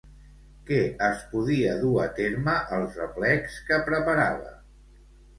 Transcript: Què es podia dur a terme als aplecs que preparava?